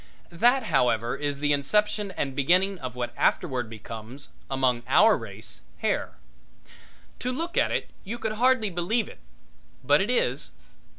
That, however is the inception and beginning of what afterward becomes, among our race, hair. To look at it you could hardly believe it, but it is.